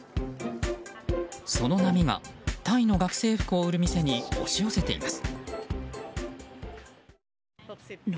その波がタイの学生服を売る店に押し寄せています。